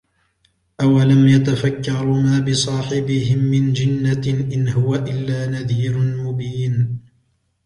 أولم يتفكروا ما بصاحبهم من جنة إن هو إلا نذير مبين